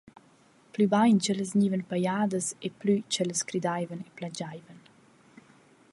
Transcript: Plü bain ch’ellas gnivan pajadas, e plü ch’ellas cridaivan e plandschaivan.»